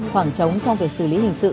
khoảng trống trong việc xử lý hình sự